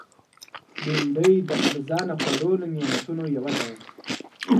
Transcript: بېنډۍ د ارزانه خوړو له نعمتونو یوه ده